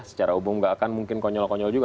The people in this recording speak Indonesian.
secara hubung gak akan mungkin konyol konyol juga